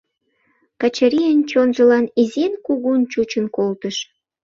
Качырийын чонжылан изин-кугун чучын колтыш.